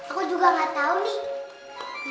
aku juga gak tahu nih